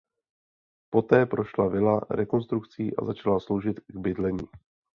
Poté prošla vila rekonstrukcí a začala sloužit k bydlení.